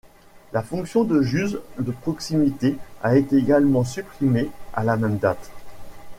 La fonction de juge de proximité a été également supprimée à la même date.